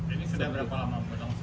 ini sedang berapa lama